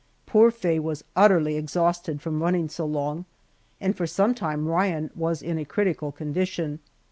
Poor Faye was utterly exhausted from running so long, and for some time Ryan was in a critical condition.